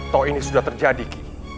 toh ini sudah terjadi ki